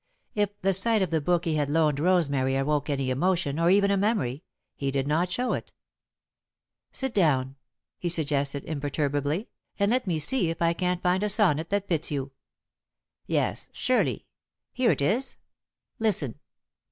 If the sight of the book he had loaned Rosemary awoke any emotion, or even a memory, he did not show it. "Sit down," he suggested, imperturbably, "and let me see if I can't find a sonnet that fits you. Yes, surely here it is. Listen."